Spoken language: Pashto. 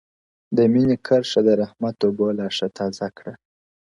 o د ميني كرښه د رحمت اوبو لاښه تازه كــــــړه؛